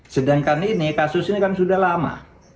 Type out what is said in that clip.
sedangkan ini kasus ini kan sudah lama